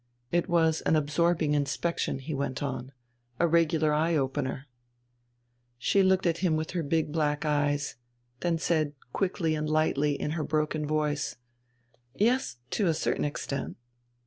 "It was an absorbing inspection," he went on. "A regular eye opener." She looked at him with her big black eyes, then said quickly and lightly in her broken voice: "Yes, to a certain extent...."